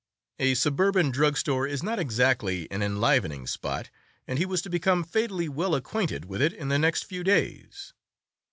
A suburban drug store is not exactly an enlivening spot, and he was to become fatally well acquainted with it in the next few days.